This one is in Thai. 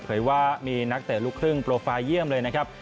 ว่ามีนักเตะลูกครึ่งโปรไฟล์เยี่ยมเลยนะครับ